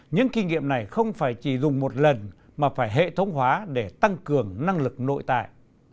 những kinh nghiệm này không phải chỉ dùng một lần mà phải hệ thống hóa để tăng cường năng lực nội tại